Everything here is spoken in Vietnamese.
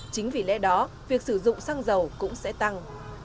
chính vì lẽ đó việc sử dụng xăng dầu cũng sẽ tăng